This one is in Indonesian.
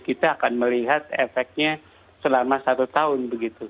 kita akan melihat efeknya selama satu tahun begitu